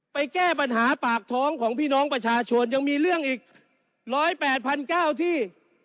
แก้ปัญหาปากท้องของพี่น้องประชาชนยังมีเรื่องอีก๑๐๘๙๐๐ที่